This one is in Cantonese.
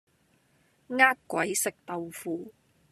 呃鬼食豆腐